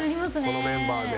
このメンバーで。